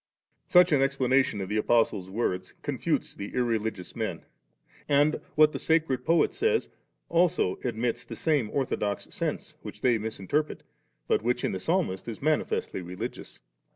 46. Such an explanation of the Apostle's words confutes the irreligious men ; and what the sacred poet says admits also the same ortho dox sense, which they misinterpret, but which in the Psalmist is manifestly religious.